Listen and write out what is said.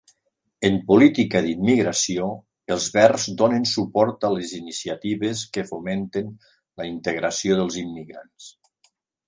En política d'immigració, els verds donen suport a les iniciatives que fomenten la integració dels immigrants.